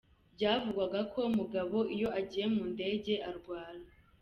Byavugwaga ko Mugabo iyo agiye mu ndege arwara.